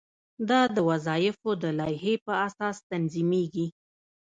دا د وظایفو د لایحې په اساس تنظیمیږي.